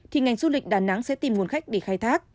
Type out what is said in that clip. thì ngành du lịch đà nẵng sẽ tìm nguồn khách để khai thác